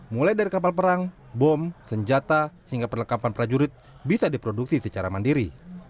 mulai dari kapal perang bom senjata hingga perlengkapan prajurit bisa diproduksi secara mandiri